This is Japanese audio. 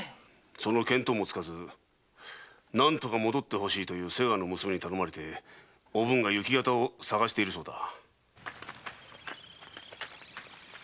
その見当もつかず「何とか戻ってほしい」という瀬川の娘に頼まれおぶんが行方を捜しているそうだ。